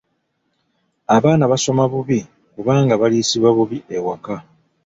Abaana basoma bubi kubanga baliisibwa bubi ewaka.